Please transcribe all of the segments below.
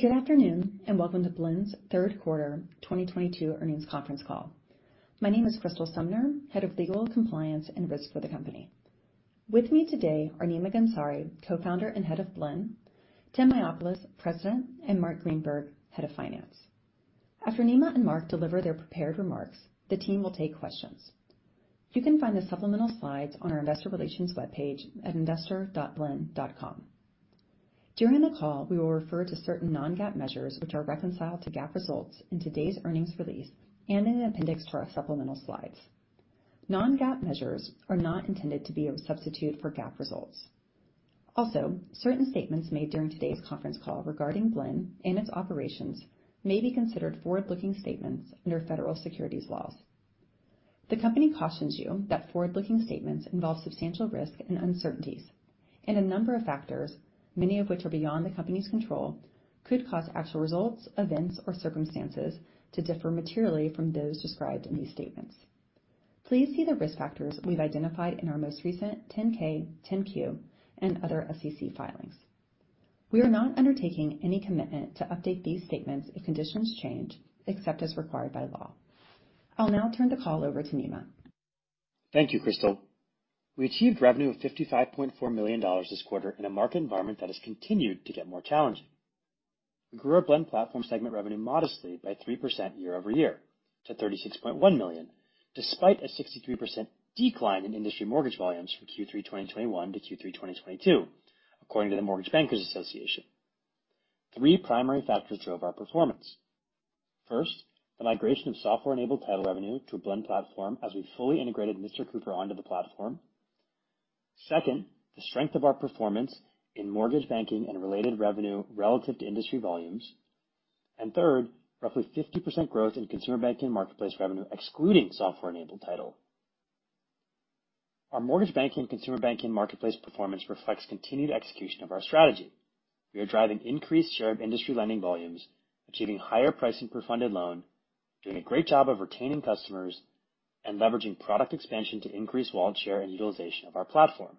Good afternoon, and welcome to Blend's third quarter 2022 earnings conference call. My name is Crystal Sumner, Head of Legal, Compliance, and Risk for the company. With me today are Nima Ghamsari, Co-founder and Head of Blend, Timothy Mayopoulos, President, and Marc Greenberg, Head of Finance. After Nima and Marc deliver their prepared remarks, the team will take questions. You can find the supplemental slides on our investor relations webpage at investor.blend.com. During the call, we will refer to certain non-GAAP measures which are reconciled to GAAP results in today's earnings release and in an appendix to our supplemental slides. Non-GAAP measures are not intended to be a substitute for GAAP results. Also, certain statements made during today's conference call regarding Blend and its operations may be considered forward-looking statements under federal securities laws. The company cautions you that forward-looking statements involve substantial risk and uncertainties, and a number of factors, many of which are beyond the company's control, could cause actual results, events, or circumstances to differ materially from those described in these statements. Please see the risk factors we've identified in our most recent 10-K, 10-Q, and other SEC filings. We are not undertaking any commitment to update these statements if conditions change, except as required by law. I'll now turn the call over to Nima. Thank you, Crystal. We achieved revenue of $55.4 million this quarter in a market environment that has continued to get more challenging. We grew our Blend Platform segment revenue modestly by 3% year-over-year to $36.1 million, despite a 63% decline in industry mortgage volumes from Q3 2021 to Q3 2022, according to the Mortgage Bankers Association. Three primary factors drove our performance. First, the migration of software-enabled title revenue to Blend Platform as we fully integrated Mr. Cooper onto the platform. Second, the strength of our performance in mortgage banking and related revenue relative to industry volumes. Third, roughly 50% growth in Consumer Banking & Marketplace revenue, excluding software-enabled title. Our mortgage banking, consumer banking, and marketplace performance reflects continued execution of our strategy. We are driving increased share of industry lending volumes, achieving higher pricing per funded loan, doing a great job of retaining customers, and leveraging product expansion to increase wallet share and utilization of our platform.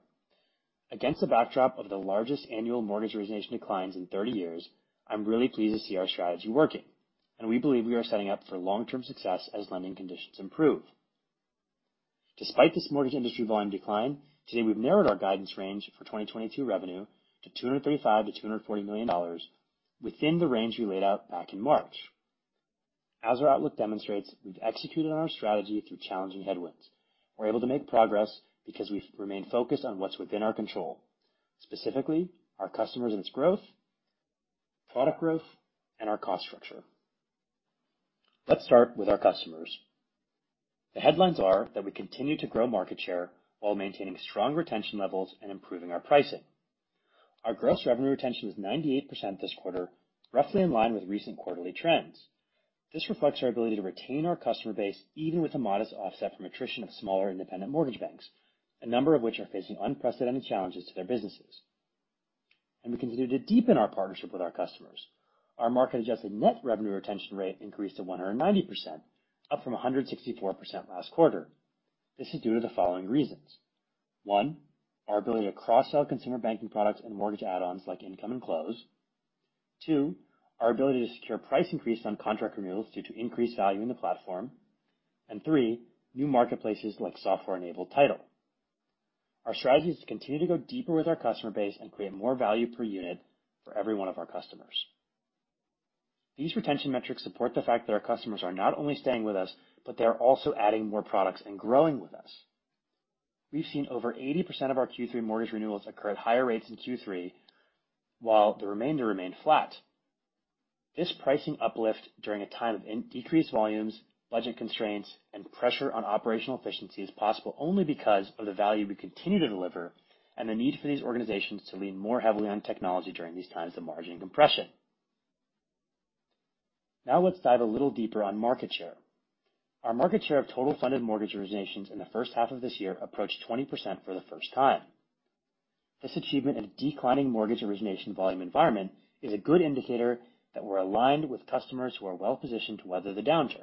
Against the backdrop of the largest annual mortgage origination declines in 30 years, I'm really pleased to see our strategy working, and we believe we are setting up for long-term success as lending conditions improve. Despite this mortgage industry volume decline, today we've narrowed our guidance range for 2022 revenue to $235 million-240 million within the range we laid out back in March. As our outlook demonstrates, we've executed on our strategy through challenging headwinds. We're able to make progress because we've remained focused on what's within our control, specifically our customers and its growth, product growth, and our cost structure. Let's start with our customers. The headlines are that we continue to grow market share while maintaining strong retention levels and improving our pricing. Our gross revenue retention was 98% this quarter, roughly in line with recent quarterly trends. This reflects our ability to retain our customer base, even with a modest offset from attrition of smaller independent mortgage banks, a number of which are facing unprecedented challenges to their businesses. We continue to deepen our partnership with our customers. Our market-adjusted net revenue retention rate increased to 190%, up from 164% last quarter. This is due to the following reasons. One, our ability to cross-sell Consumer Banking products and mortgage add-ons like Income and Close. Two, our ability to secure price increase on contract renewals due to increased value in the platform. Three, new marketplaces like software-enabled title. Our strategy is to continue to go deeper with our customer base and create more value per unit for every one of our customers. These retention metrics support the fact that our customers are not only staying with us, but they are also adding more products and growing with us. We've seen over 80% of our Q3 mortgage renewals occur at higher rates in Q3, while the remainder remained flat. This pricing uplift during a time of decreased volumes, budget constraints, and pressure on operational efficiency is possible only because of the value we continue to deliver and the need for these organizations to lean more heavily on technology during these times of margin compression. Now let's dive a little deeper on market share. Our market share of total funded mortgage originations in the first half of this year approached 20% for the first time. This achievement in a declining mortgage origination volume environment is a good indicator that we're aligned with customers who are well-positioned to weather the downturn.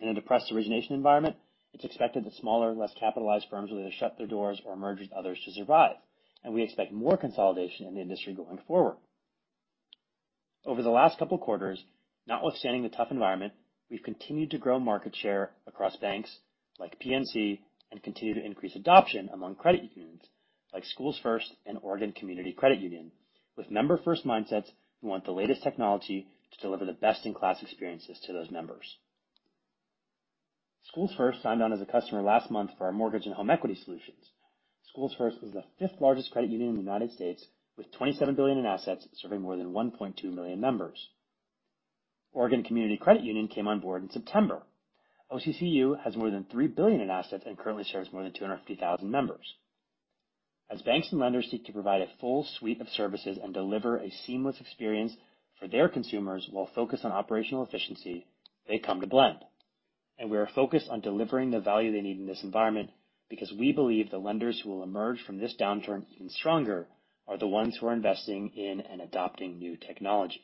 In a depressed origination environment, it's expected that smaller, less capitalized firms will either shut their doors or merge with others to survive, and we expect more consolidation in the industry going forward. Over the last couple quarters, notwithstanding the tough environment, we've continued to grow market share across banks like PNC and continue to increase adoption among credit unions like SchoolsFirst and Oregon Community Credit Union. With member-first mindsets, we want the latest technology to deliver the best-in-class experiences to those members. SchoolsFirst signed on as a customer last month for our mortgage and home equity solutions. SchoolsFirst was the fifth largest credit union in the United States, with $27 billion in assets, serving more than 1.2 million members. Oregon Community Credit Union came on board in September. OCCU has more than $3 billion in assets and currently serves more than 250,000 members. As banks and lenders seek to provide a full suite of services and deliver a seamless experience for their consumers while focused on operational efficiency, they come to Blend. We are focused on delivering the value they need in this environment because we believe the lenders who will emerge from this downturn even stronger are the ones who are investing in and adopting new technology.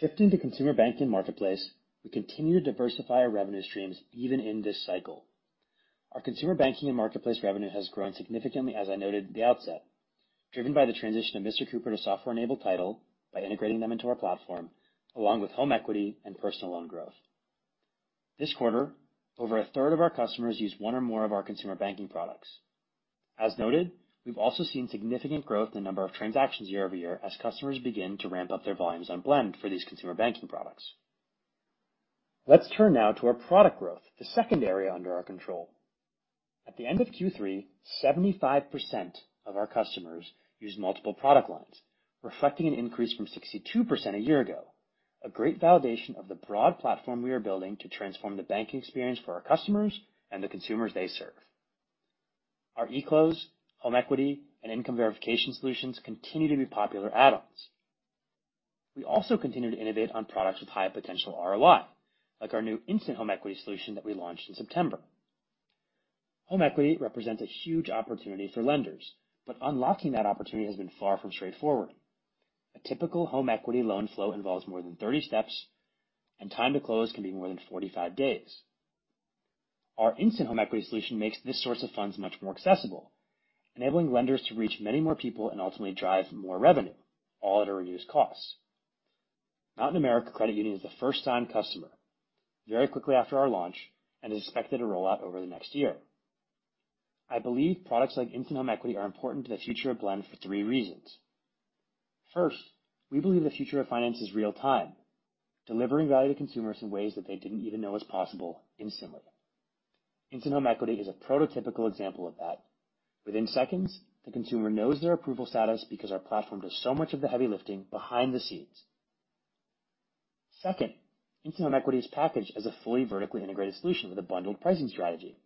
Shifting to consumer banking marketplace, we continue to diversify our revenue streams even in this cycle. Our consumer banking and marketplace revenue has grown significantly, as I noted at the outset, driven by the transition of Mr. Cooper to software-enabled title by integrating them into our platform, along with home equity and personal loan growth. This quarter, over a third of our customers used one or more of our Consumer Banking products. As noted, we've also seen significant growth in the number of transactions year-over-year as customers begin to ramp up their volumes on Blend for these Consumer Banking products. Let's turn now to our product growth, the second area under our control. At the end of Q3, 75% of our customers use multiple product lines, reflecting an increase from 62% a year ago. A great validation of the broad platform we are building to transform the banking experience for our customers and the consumers they serve. Our eClose, Home Equity, and income verification solutions continue to be popular add-ons. We also continue to innovate on products with high potential ROI, like our new Instant Home Equity solution that we launched in September. Home equity represents a huge opportunity for lenders, but unlocking that opportunity has been far from straightforward. A typical home equity loan flow involves more than 30 steps, and time to close can be more than 45 days. Our Instant Home Equity solution makes this source of funds much more accessible, enabling lenders to reach many more people and ultimately drive more revenue, all at a reduced cost. Mountain America Credit Union is a first-time customer very quickly after our launch and is expected to roll out over the next year. I believe products like Instant Home Equity are important to the future of Blend for three reasons. First, we believe the future of finance is real time, delivering value to consumers in ways that they didn't even know was possible instantly. Instant Home Equity is a prototypical example of that. Within seconds, the consumer knows their approval status because our platform does so much of the heavy lifting behind the scenes. Second, Instant Home Equity is packaged as a fully vertically integrated solution with a bundled pricing strategy.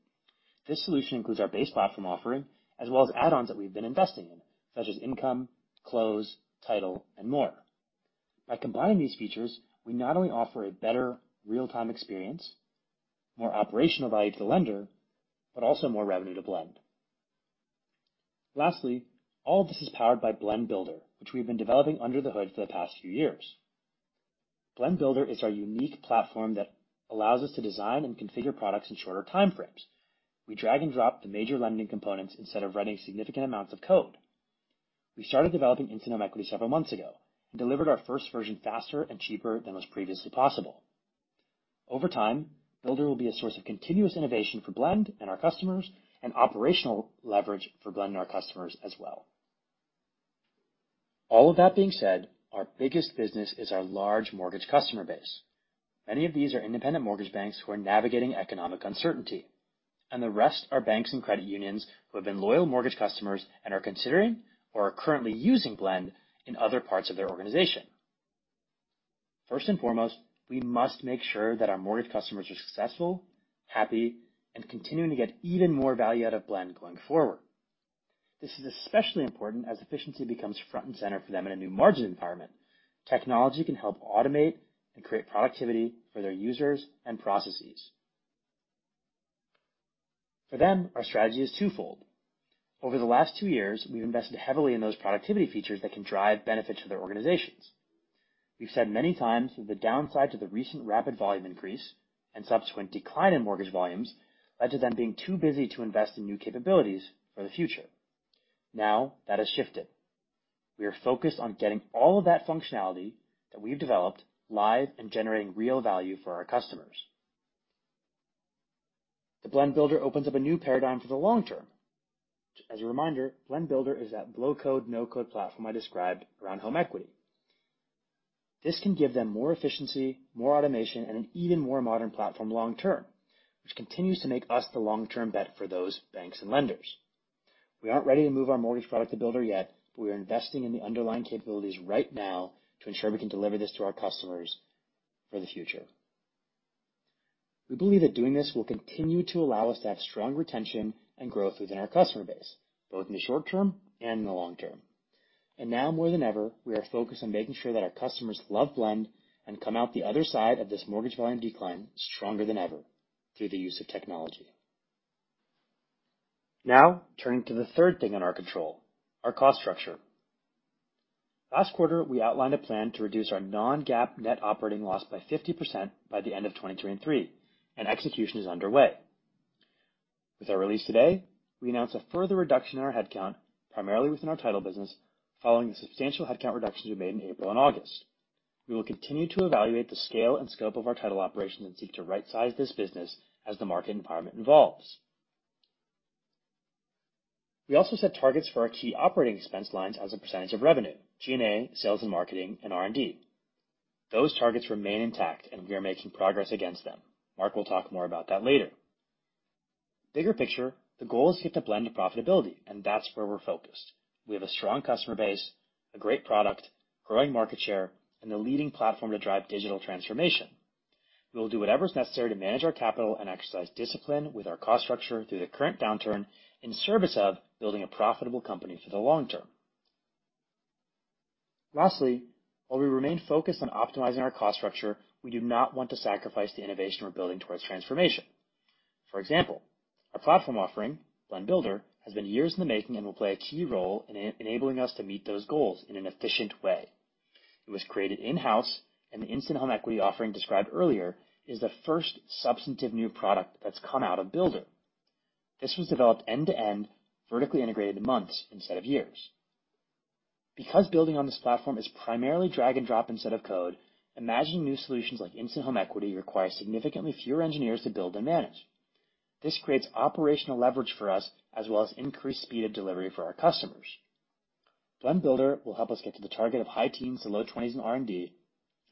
This solution includes our base platform offering as well as add-ons that we've been investing in, such as Income, Close, Title, and more. By combining these features, we not only offer a better real-time experience, more operational value to the lender, but also more revenue to Blend. Lastly, all of this is powered by Blend Builder, which we've been developing under the hood for the past few years. Blend Builder is our unique platform that allows us to design and configure products in shorter time frames. We drag and drop the major lending components instead of running significant amounts of code. We started developing Instant Home Equity several months ago and delivered our first version faster and cheaper than was previously possible. Over time, Builder will be a source of continuous innovation for Blend and our customers and operational leverage for Blend and our customers as well. All of that being said, our biggest business is our large mortgage customer base. Many of these are independent mortgage banks who are navigating economic uncertainty, and the rest are banks and credit unions who have been loyal mortgage customers and are considering or are currently using Blend in other parts of their organization. First and foremost, we must make sure that our mortgage customers are successful, happy, and continuing to get even more value out of Blend going forward. This is especially important as efficiency becomes front and center for them in a new margin environment. Technology can help automate and create productivity for their users and processes. For them, our strategy is twofold. Over the last two years, we've invested heavily in those productivity features that can drive benefit to their organizations. We've said many times that the downside to the recent rapid volume increase and subsequent decline in mortgage volumes led to them being too busy to invest in new capabilities for the future. Now that has shifted. We are focused on getting all of that functionality that we've developed live and generating real value for our customers. The Blend Builder opens up a new paradigm for the long term. As a reminder, Blend Builder is that low-code, no-code platform I described around home equity. This can give them more efficiency, more automation, and an even more modern platform long term, which continues to make us the long-term bet for those banks and lenders. We aren't ready to move our mortgage product to Builder yet, but we are investing in the underlying capabilities right now to ensure we can deliver this to our customers for the future. We believe that doing this will continue to allow us to have strong retention and growth within our customer base, both in the short term and in the long term. Now more than ever, we are focused on making sure that our customers love Blend and come out the other side of this mortgage volume decline stronger than ever through the use of technology. Now, turning to the third thing on our control, our cost structure. Last quarter, we outlined a plan to reduce our non-GAAP net operating loss by 50% by the end of 2023 and Q3, and execution is underway. With our release today, we announced a further reduction in our headcount, primarily within our title business, following the substantial headcount reductions we made in April and August. We will continue to evaluate the scale and scope of our title operations and seek to right-size this business as the market environment evolves. We also set targets for our key operating expense lines as a percentage of revenue, G&A, sales and marketing, and R&D. Those targets remain intact, and we are making progress against them. Marc will talk more about that later. Bigger picture, the goal is to get to Blend to profitability, and that's where we're focused. We have a strong customer base, a great product, growing market share, and the leading platform to drive digital transformation. We will do whatever is necessary to manage our capital and exercise discipline with our cost structure through the current downturn in service of building a profitable company for the long term. Lastly, while we remain focused on optimizing our cost structure, we do not want to sacrifice the innovation we're building towards transformation. For example, our platform offering, Blend Builder, has been years in the making and will play a key role in enabling us to meet those goals in an efficient way. It was created in-house, and the Instant Home Equity offering described earlier is the first substantive new product that's come out of Builder. This was developed end-to-end, vertically integrated in months instead of years. Because building on this platform is primarily drag and drop instead of code, imagining new solutions like Instant Home Equity require significantly fewer engineers to build and manage. This creates operational leverage for us as well as increased speed of delivery for our customers. Blend Builder will help us get to the target of high teens to low twenties in R&D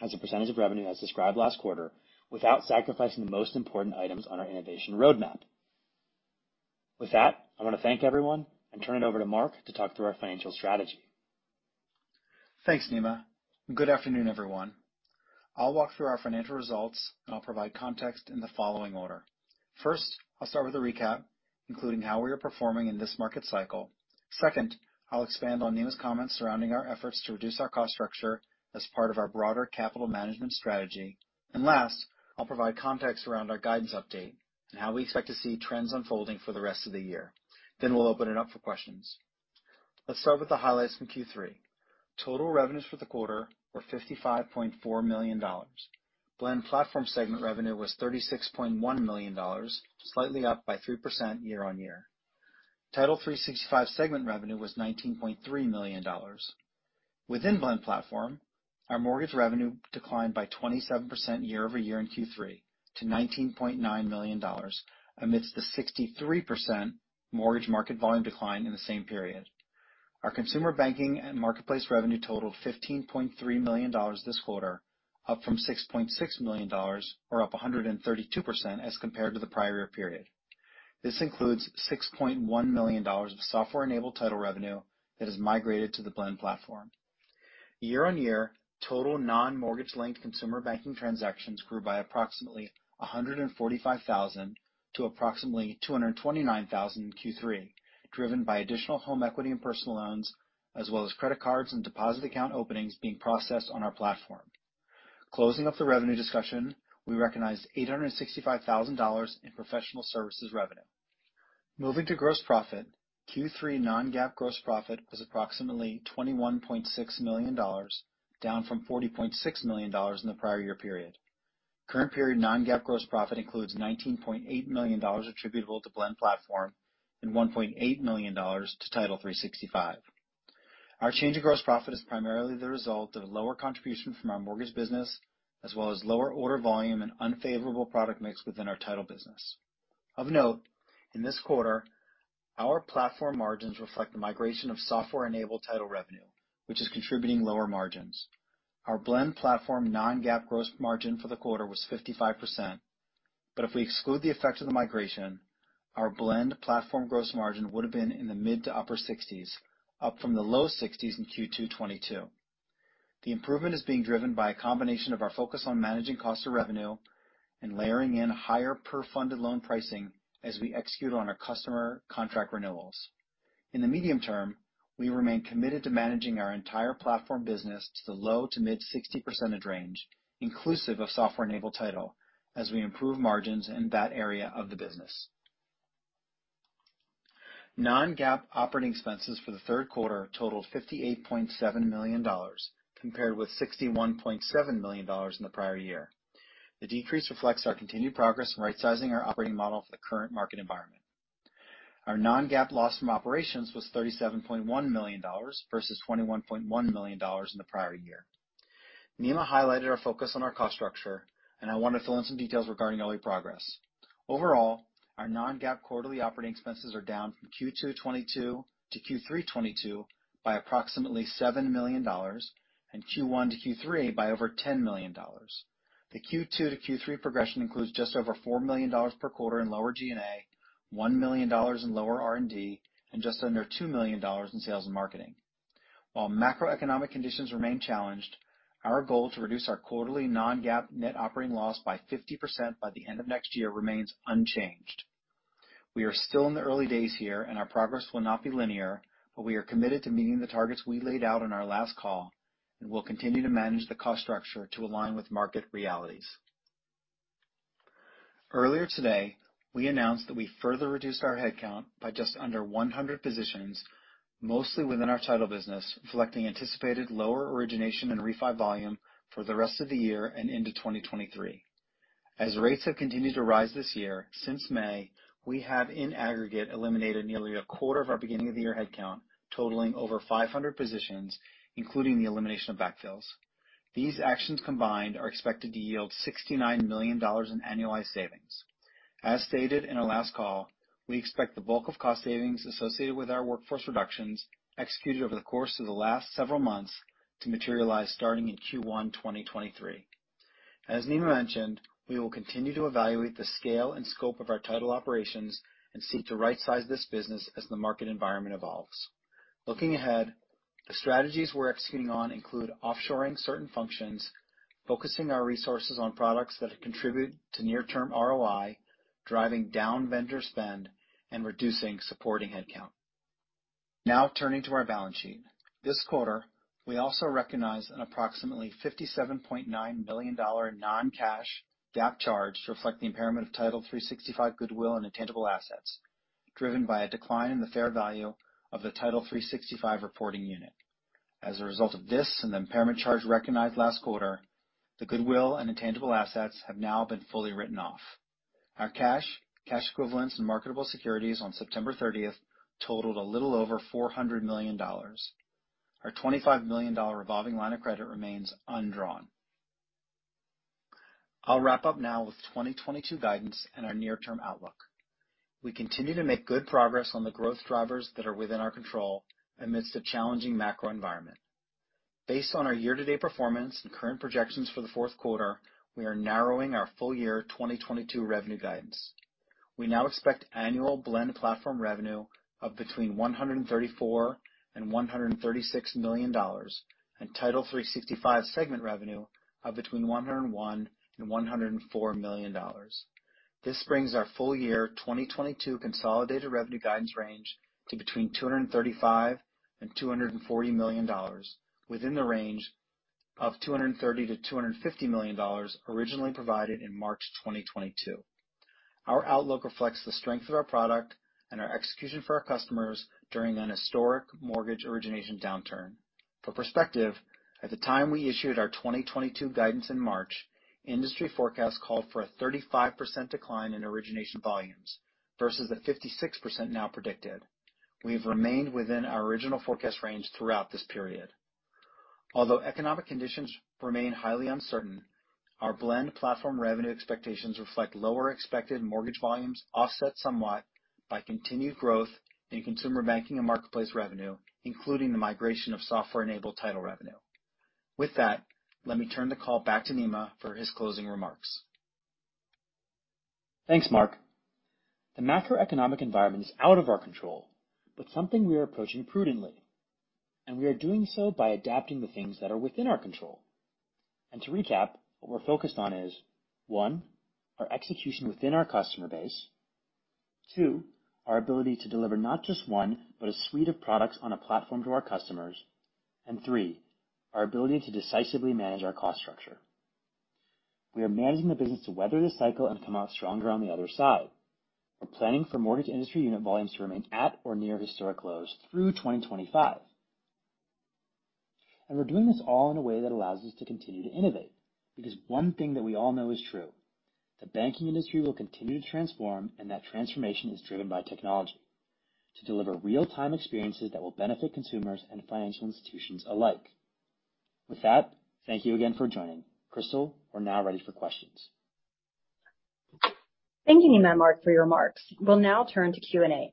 as a percentage of revenue as described last quarter, without sacrificing the most important items on our innovation roadmap. With that, I want to thank everyone and turn it over to Marc to talk through our financial strategy. Thanks, Nima. Good afternoon, everyone. I'll walk through our financial results and I'll provide context in the following order. First, I'll start with a recap, including how we are performing in this market cycle. Second, I'll expand on Nima's comments surrounding our efforts to reduce our cost structure as part of our broader capital management strategy. Last, I'll provide context around our guidance update and how we expect to see trends unfolding for the rest of the year. Then we'll open it up for questions. Let's start with the highlights from Q3. Total revenues for the quarter were $55.4 million. Blend Platform segment revenue was $36.1 million, slightly up by 3% year-over-year. Title365 segment revenue was $19.3 million. Within Blend Platform, our mortgage revenue declined by 27% year-over-year in Q3 to $19.9 million amidst the 63% mortgage market volume decline in the same period. Our consumer banking and marketplace revenue totaled $15.3 million this quarter, up from $6.6 million or up 132% as compared to the prior period. This includes $6.1 million of software-enabled title revenue that has migrated to the Blend platform. Year-on-year, total non-mortgage linked consumer banking transactions grew by approximately 145,000 to approximately 229,000 in Q3, driven by additional home equity and personal loans, as well as credit cards and deposit account openings being processed on our platform. Closing up the revenue discussion, we recognized $865,000 in professional services revenue. Moving to gross profit, Q3 non-GAAP gross profit was approximately $21.6 million, down from 40.6 million in the prior year period. Current period non-GAAP gross profit includes $19.8 million attributable to Blend Platform and $1.8 million to Title365. Our change in gross profit is primarily the result of lower contribution from our mortgage business, as well as lower order volume and unfavorable product mix within our title business. Of note, in this quarter, our platform margins reflect the migration of software-enabled title revenue, which is contributing lower margins. Our Blend Platform non-GAAP gross margin for the quarter was 55%. If we exclude the effect of the migration, our Blend Platform gross margin would have been in the mid- to upper-60s%, up from the low-60s% in Q2 2022. The improvement is being driven by a combination of our focus on managing cost of revenue and layering in higher per funded loan pricing as we execute on our customer contract renewals. In the medium term, we remain committed to managing our entire platform business to the low-to-mid 60% range, inclusive of software-enabled title, as we improve margins in that area of the business. non-GAAP operating expenses for the third quarter totaled $58.7 million, compared with 61.7 million in the prior year. The decrease reflects our continued progress in rightsizing our operating model for the current market environment. Our non-GAAP loss from operations was $37.1 million versus 21.1 million in the prior year. Nima highlighted our focus on our cost structure, and I want to fill in some details regarding early progress. Overall, our non-GAAP quarterly operating expenses are down from Q2 2022 to Q3 2022 by approximately $7 million and Q1 to Q3 by over $10 million. The Q2 to Q3 progression includes just over $4 million per quarter in lower G&A, $1 million in lower R&D, and just under $2 million in sales and marketing. While macroeconomic conditions remain challenged, our goal to reduce our quarterly non-GAAP net operating loss by 50% by the end of next year remains unchanged. We are still in the early days here and our progress will not be linear, but we are committed to meeting the targets we laid out on our last call and will continue to manage the cost structure to align with market realities. Earlier today, we announced that we further reduced our headcount by just under 100 positions, mostly within our title business, reflecting anticipated lower origination and refi volume for the rest of the year and into 2023. As rates have continued to rise this year, since May, we have in aggregate eliminated nearly a quarter of our beginning of the year headcount, totaling over 500 positions, including the elimination of backfills. These actions combined are expected to yield $69 million in annualized savings. As stated in our last call, we expect the bulk of cost savings associated with our workforce reductions executed over the course of the last several months to materialize starting in Q1 2023. As Nima mentioned, we will continue to evaluate the scale and scope of our title operations and seek to rightsize this business as the market environment evolves. Looking ahead, the strategies we're executing on include offshoring certain functions, focusing our resources on products that contribute to near-term ROI, driving down vendor spend, and reducing supporting headcount. Now turning to our balance sheet. This quarter, we also recognized an approximately $57.9 million non-cash GAAP charge to reflect the impairment of Title365 goodwill and intangible assets, driven by a decline in the fair value of the Title365 reporting unit. As a result of this and the impairment charge recognized last quarter, the goodwill and intangible assets have now been fully written off. Our cash equivalents, and marketable securities on September thirtieth totaled a little over $400 million. Our $25 million revolving line of credit remains undrawn. I'll wrap up now with 2022 guidance and our near-term outlook. We continue to make good progress on the growth drivers that are within our control amidst a challenging macro environment. Based on our year-to-date performance and current projections for the fourth quarter, we are narrowing our full year 2022 revenue guidance. We now expect annual Blend Platform revenue of between $134 million and 136 million and Title365 segment revenue of between $101 million and 104 million. This brings our full year 2022 consolidated revenue guidance range to between $235 million and 240 million within the range of $230 million-250 million originally provided in March 2022. Our outlook reflects the strength of our product and our execution for our customers during an historic mortgage origination downturn. For perspective, at the time we issued our 2022 guidance in March, industry forecasts called for a 35% decline in origination volumes versus the 56% now predicted. We've remained within our original forecast range throughout this period. Although economic conditions remain highly uncertain, our Blend Platform revenue expectations reflect lower expected mortgage volumes, offset somewhat by continued growth in Consumer Banking and marketplace revenue, including the migration of software-enabled title revenue. With that, let me turn the call back to Nima for his closing remarks. Thanks, Marc. The macroeconomic environment is out of our control, but something we are approaching prudently. We are doing so by adapting the things that are within our control. To recap, what we're focused on is, one, our execution within our customer base. Two, our ability to deliver not just one, but a suite of products on a platform to our customers. Three, our ability to decisively manage our cost structure. We are managing the business to weather this cycle and come out stronger on the other side. We're planning for mortgage industry unit volumes to remain at or near historic lows through 2025.numbe We're doing this all in a way that allows us to continue to innovate, because one thing that we all know is true, the banking industry will continue to transform, and that transformation is driven by technology to deliver real-time experiences that will benefit consumers and financial institutions alike. With that, thank you again for joining. Crystal, we're now ready for questions. Thank you, Nima and Marc, for your remarks. We'll now turn to Q&A.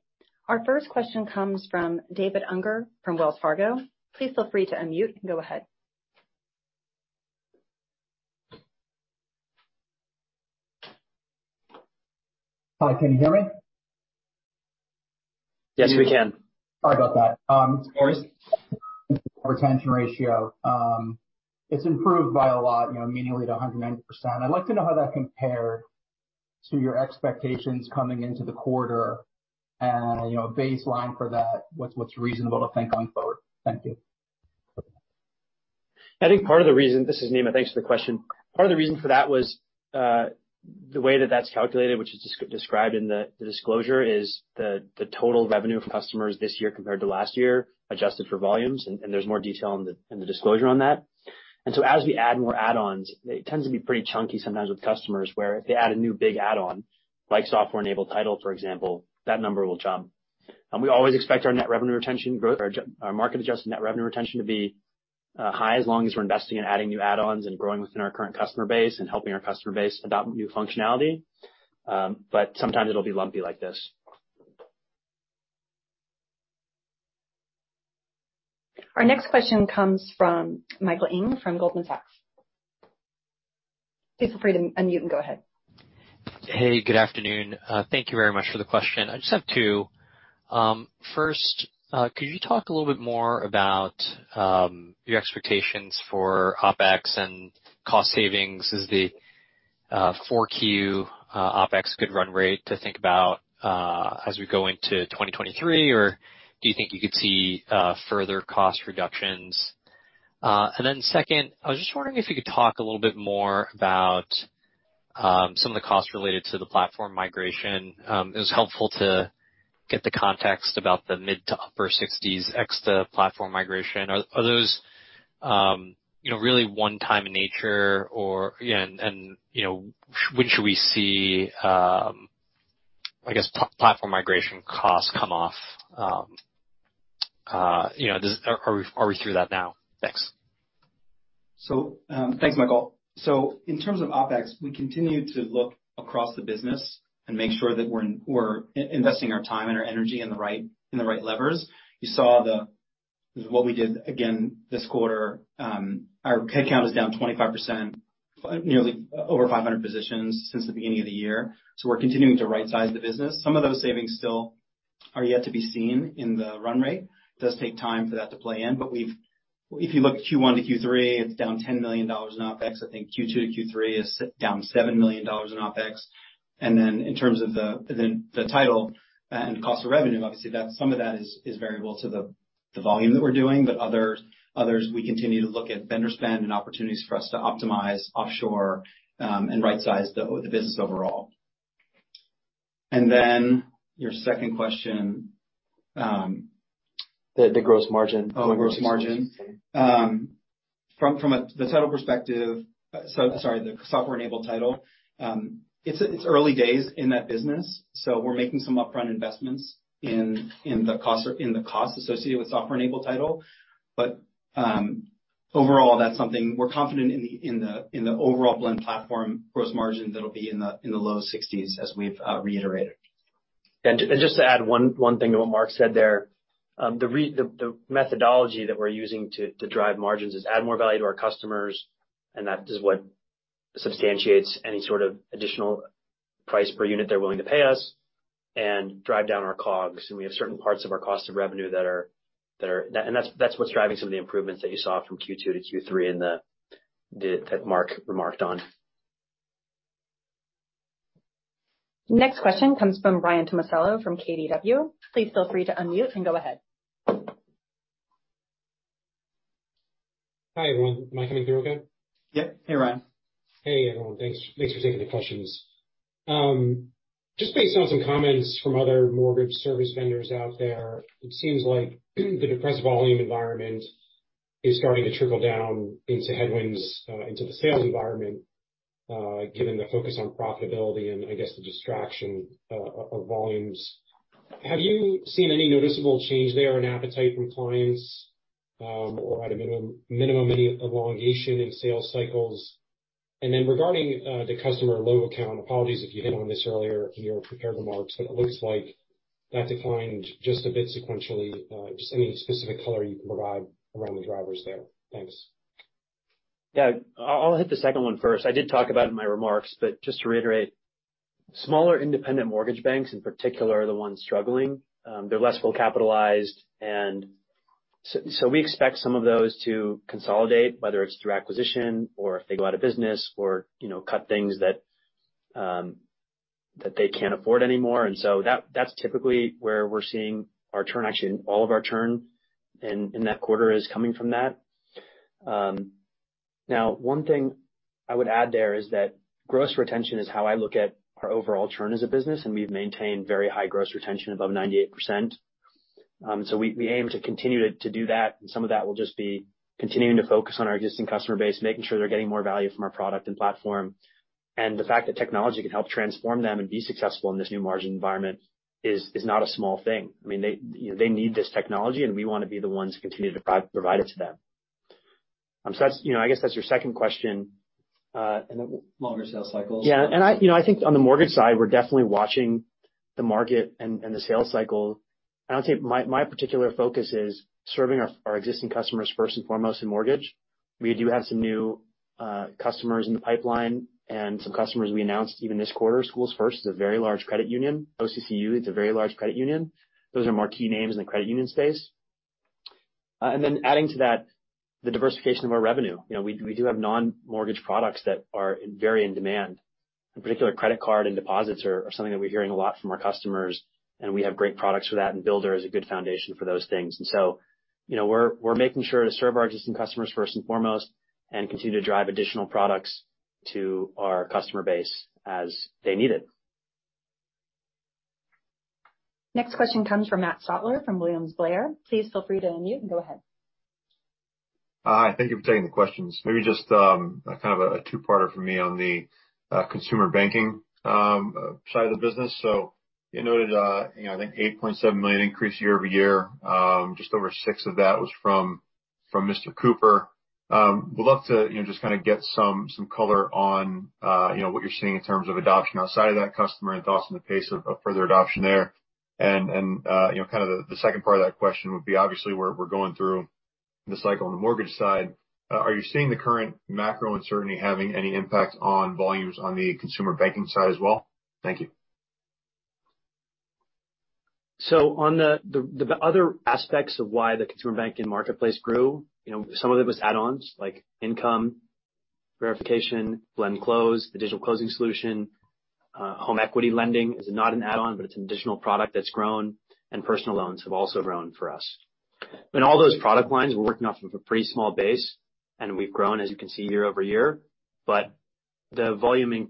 Our first question comes from David Unger from Wells Fargo. Please feel free to unmute and go ahead. Hi, can you hear me? Yes, we can. Sorry about that. Retention ratio, it's improved by a lot, you know, annually to 110%. I'd like to know how that compared to your expectations coming into the quarter and, you know, baseline for that. What's reasonable to think going forward? Thank you. This is Nima Ghamsari. Thanks for the question. Part of the reason for that was the way that that's calculated, which is described in the disclosure, is the total revenue of customers this year compared to last year, adjusted for volumes, and there's more detail in the disclosure on that. As we add more add-ons, it tends to be pretty chunky sometimes with customers where if they add a new big add-on, like software-enabled title, for example, that number will jump. We always expect our net revenue retention growth or our market-adjusted net revenue retention to be high as long as we're investing in adding new add-ons and growing within our current customer base and helping our customer base adopt new functionality. But sometimes it'll be lumpy like this. Our next question comes from Michael Ng from Goldman Sachs. Please feel free to unmute and go ahead. Hey, good afternoon. Thank you very much for the question. I just have two. First, could you talk a little bit more about your expectations for OpEx and cost savings? Is the 4Q OpEx good run rate to think about as we go into 2023, or do you think you could see further cost reductions? Second, I was just wondering if you could talk a little bit more about some of the costs related to the platform migration. It was helpful to get the context about the mid- to upper-60s% to platform migration. Are those, you know, really one-time in nature or, you know, and, you know, when should we see, I guess, platform migration costs come off? You know, does? Are we through that now? Thanks. Thanks, Michael. In terms of OpEx, we continue to look across the business and make sure that we're investing our time and our energy in the right levers. You saw what we did again this quarter, our head count is down 25%, nearly over 500 positions since the beginning of the year. We're continuing to right-size the business. Some of those savings still are yet to be seen in the run rate. It does take time for that to play in, but we've If you look at Q1 to Q3, it's down $10 million in OpEx. I think Q2 to Q3 is down $7 million in OpEx. In terms of the title and cost of revenue, obviously some of that is variable to the volume that we're doing. Others, we continue to look at vendor spend and opportunities for us to optimize offshore and right-size the business overall. Your second question, The gross margin. The gross margin. From the software-enabled title perspective, it's early days in that business, so we're making some upfront investments in the cost associated with software-enabled title. Overall, that's something we're confident in the overall Blend Platform gross margin that'll be in the low 60s%, as we've reiterated. Just to add one thing to what Marc said there. The methodology that we're using to drive margins is add more value to our customers, and that is what substantiates any sort of additional price per unit they're willing to pay us, and drive down our COGS. We have certain parts of our cost of revenue that are, and that's what's driving some of the improvements that you saw from Q2 to Q3 that Marc remarked on. Next question comes from Ryan Tomasello from KBW. Please feel free to unmute and go ahead. Hi, everyone. Am I coming through okay? Yep. Hey, Ryan. Hey, everyone. Thanks for taking the questions. Just based on some comments from other mortgage service vendors out there, it seems like the depressed volume environment is starting to trickle down into headwinds into the sales environment, given the focus on profitability and I guess the distraction of volumes. Have you seen any noticeable change there in appetite from clients, or at a minimum, any elongation in sales cycles? Regarding the customer logo count, apologies if you hit on this earlier in your prepared remarks, but it looks like that declined just a bit sequentially. Just any specific color you can provide around the drivers there? Thanks. Yeah. I'll hit the second one first. I did talk about it in my remarks, but just to reiterate, smaller independent mortgage banks in particular are the ones struggling. They're less well capitalized and so we expect some of those to consolidate, whether it's through acquisition or if they go out of business or, you know, cut things that they can't afford anymore. That's typically where we're seeing our churn. Actually, all of our churn in that quarter is coming from that. Now one thing I would add there is that gross retention is how I look at our overall churn as a business, and we've maintained very high gross retention above 98%. We aim to continue to do that, and some of that will just be continuing to focus on our existing customer base, making sure they're getting more value from our product and platform. The fact that technology can help transform them and be successful in this new margin environment is not a small thing. I mean, you know, they need this technology, and we wanna be the ones to continue to provide it to them. That's, you know, I guess that's your second question. Longer sales cycles. Yeah. I, you know, I think on the mortgage side, we're definitely watching the market and the sales cycle. I'll tell you, my particular focus is serving our our existing customers first and foremost in mortgage. We do have some new customers in the pipeline and some customers we announced even this quarter. SchoolsFirst is a very large credit union. OCCU, it's a very large credit union. Those are marquee names in the credit union space. And then adding to that, the diversification of our revenue. You know, we do have non-mortgage products that are very in demand. In particular, credit card and deposits are something that we're hearing a lot from our customers, and we have great products for that, and Builder is a good foundation for those things. You know, we're making sure to serve our existing customers first and foremost and continue to drive additional products to our customer base as they need it. Next question comes from Matt Stotler from William Blair. Please feel free to unmute and go ahead. Hi. Thank you for taking the questions. Maybe just a kind of a two-parter from me on the consumer banking side of the business. You noted you know I think $8.7 million increase year-over-year. Just over $6 million of that was from Mr. Cooper. Would love to you know just kinda get some color on you know what you're seeing in terms of adoption outside of that customer and thoughts on the pace of further adoption there. The second part of that question would be obviously we're going through the cycle on the mortgage side. Are you seeing the current macro uncertainty having any impact on volumes on the consumer banking side as well? Thank you. On the other aspects of why the consumer banking marketplace grew, you know, some of it was add-ons like income verification, Blend Close, the digital closing solution. Home equity lending is not an add-on, but it's an additional product that's grown, and personal loans have also grown for us. In all those product lines, we're working off of a pretty small base, and we've grown, as you can see, year-over-year. But the volume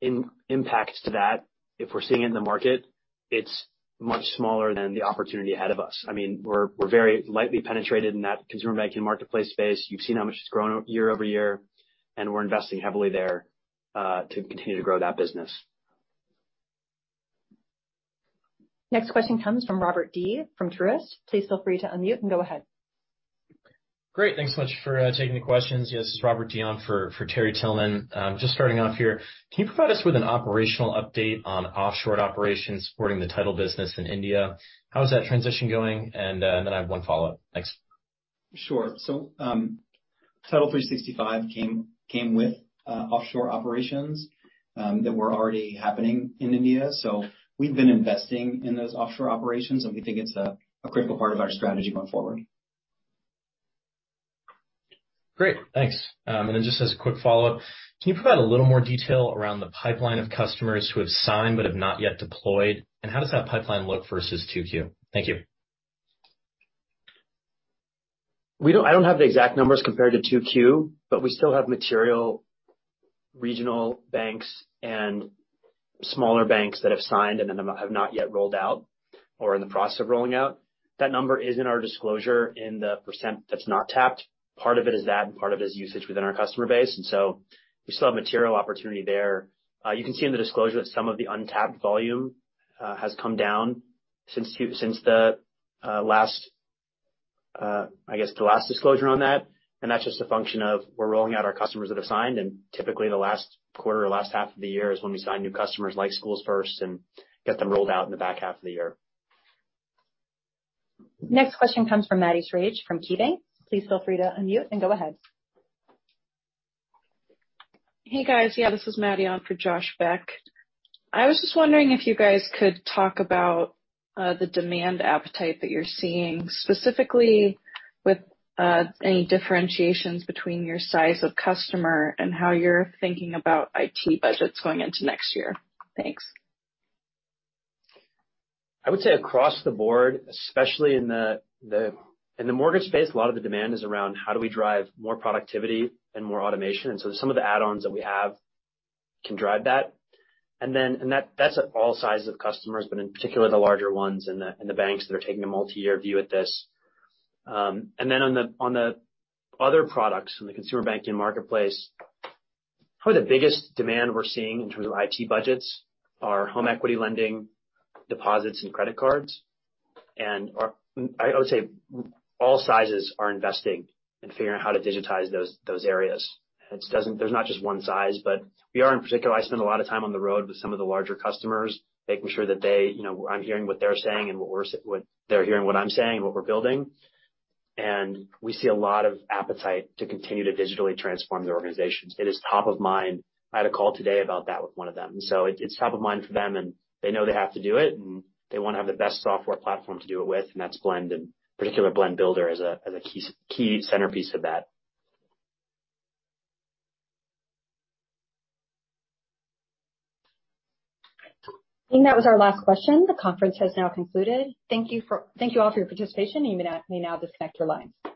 in, impact to that, if we're seeing it in the market, it's much smaller than the opportunity ahead of us. I mean, we're very lightly penetrated in that consumer banking marketplace space. You've seen how much it's grown year-over-year, and we're investing heavily there to continue to grow that business. Next question comes from Robert Dee from Truist. Please feel free to unmute and go ahead. Great. Thanks so much for taking the questions. Yes, this is Robert Dee on for Terry Tillman. Just starting off here. Can you provide us with an operational update on offshore operations supporting the title business in India? How is that transition going? Then I have one follow-up. Thanks. Sure. Title365 came with offshore operations that were already happening in India. We've been investing in those offshore operations, and we think it's a critical part of our strategy going forward. Great. Thanks. Just as a quick follow-up, can you provide a little more detail around the pipeline of customers who have signed but have not yet deployed? How does that pipeline look versus 2Q? Thank you. I don't have the exact numbers compared to 2Q, but we still have material regional banks and smaller banks that have signed and then have not yet rolled out or are in the process of rolling out. That number is in our disclosure in the % that's not tapped. Part of it is that, and part of it is usage within our customer base. We still have material opportunity there. You can see in the disclosure that some of the untapped volume has come down since the last disclosure on that. That's just a function of we're rolling out our customers that have signed, and typically the last quarter or last half of the year is when we sign new customers like SchoolsFirst and get them rolled out in the back half of the year. Next question comes from Maddie Schrage from KeyBanc. Please feel free to unmute and go ahead. Hey, guys. Yeah, this is Maddie on for Josh Beck. I was just wondering if you guys could talk about the demand appetite that you're seeing, specifically with any differentiations between your size of customer and how you're thinking about IT budgets going into next year. Thanks. I would say across the board, especially in the mortgage space, a lot of the demand is around how do we drive more productivity and more automation. Some of the add-ons that we have can drive that. That's all sizes of customers, but in particular the larger ones and the banks that are taking a multi-year view at this. On the other products in the consumer banking marketplace, probably the biggest demand we're seeing in terms of IT budgets are home equity lending, deposits, and credit cards. I would say all sizes are investing in figuring out how to digitize those areas. There's not just one size, but we are in particular, I spend a lot of time on the road with some of the larger customers, making sure that they, you know, I'm hearing what they're saying and they're hearing what I'm saying and what we're building. We see a lot of appetite to continue to digitally transform their organizations. It is top of mind. I had a call today about that with one of them, and so it's top of mind for them, and they know they have to do it, and they wanna have the best software platform to do it with, and that's Blend, in particular Blend Builder as a key centerpiece of that. I think that was our last question. The conference has now concluded. Thank you all for your participation. You may now disconnect your lines.